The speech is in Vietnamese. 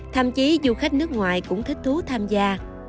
thậm chí du khách nước ngoài cũng thích thú tham gia